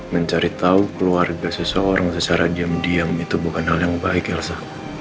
mencari tahu keluarga seseorang secara diam diam itu bukan hal yang baik elsa